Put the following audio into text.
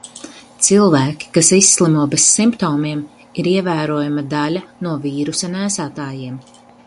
Cilvēki, kas izslimo bez simptomiem, ir ievērojama daļa no vīrusa nēsātājiem.